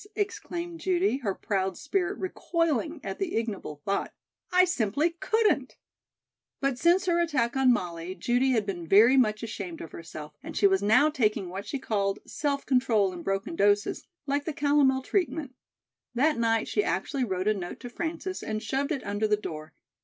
exclaimed Judy, her proud spirit recoiling at the ignoble thought. "I simply couldn't." But since her attack on Molly, Judy had been very much ashamed of herself, and she was now taking what she called "self control in broken doses," like the calomel treatment; that night she actually wrote a note to Frances and shoved it under the door.